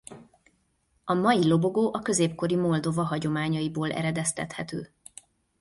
A mai lobogó a középkori Moldova hagyományaiból eredeztethető.